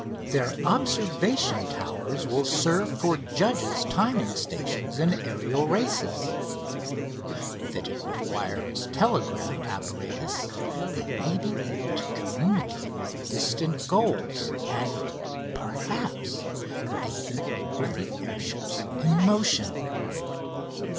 Their observation towers will serve for judges timing stations in aerial races; fitted with wireless telegraph apparatus they may be able to communicate with distant goals and, perhaps, even with the air ships in motion.